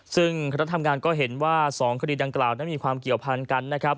ซึ่งคณะทำงานก็เห็นว่า๒คดีดังกล่าวนั้นมีความเกี่ยวพันกันนะครับ